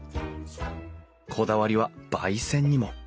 こだわりは焙煎にも。